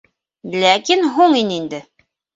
Ләкин һуң ине инде.